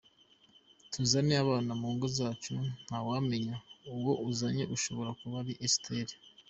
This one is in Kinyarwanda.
Tuzane abana mu ngo zacu, ntawamenya uwo uzanye ashobora kuba ari Esiteri.